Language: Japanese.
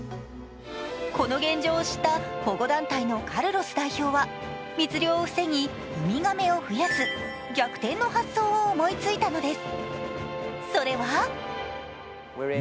この現状を知った保護団体のカルロス代表は、密漁を防ぎ、海亀を増やす逆転の発想を思いついたのです。